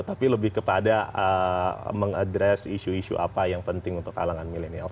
tapi lebih kepada mengadres isu isu apa yang penting untuk kalangan milenial